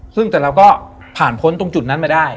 ซึ่งแต่เราก็ผ่านพ้นตรงจุดนั้นมาได้